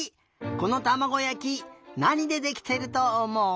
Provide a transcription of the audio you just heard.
このたまごやきなにでできてるとおもう？